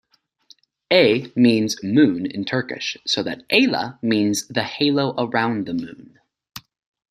"Ay" means "moon" in Turkish, so that "Ayla" means the "halo around the moon.